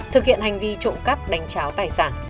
thực hiện hành vi trộm cắp đánh cháo tài sản